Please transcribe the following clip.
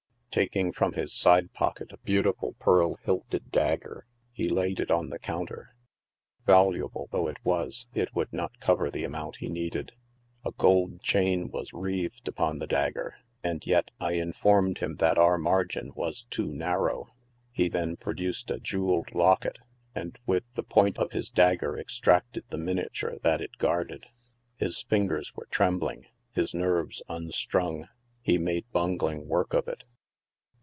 Taking from his side pocket a beautiful pearl hilted dagger, he laid it on the counter ; valuable, though it was, it would not cover the amount he needed ; a gold chain was wreathed upon the dagger, and yet \ informed him that our margin was too narrow ; he then produced a jeweled locket, and with the point of his dagger extracted the miniature that it guarded. His fingers were trembling ; his nerves unstrung ; he made bungling work of it.